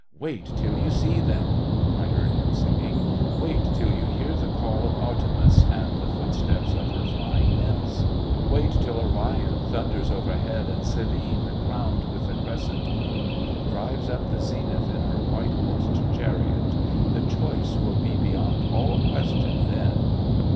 "Wait till you see Them," I heard him singing. "Wait till you hear the call of Artemis and the footsteps of her flying nymphs. Wait till Orion thunders overhead and Selene, crowned with the crescent moon, drives up the zenith in her white horsed chariot. The choice will be beyond all question then...!"